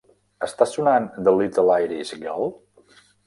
Està sonant The Little Irish Girl?